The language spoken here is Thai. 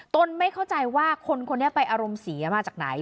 นไม่เข้าใจว่าคนคนนี้ไปอารมณ์เสียมาจากไหน